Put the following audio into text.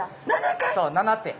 そう７手。